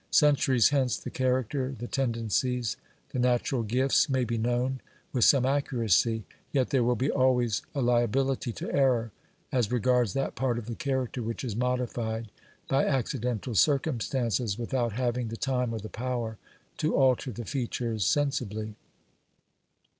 Centuries hence, the character, the tendencies, the natural gifts may be known with some accuracy, yet there will be always a liability to error as regards that part of the character which is modified by accidental circumstances without having the time or the power to alter the features sensibly.